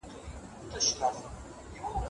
د خپلي لور شکايت بايد ډېر جدي ونيسئ.